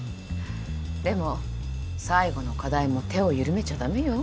でも最後の課題も手を緩めちゃ駄目よ。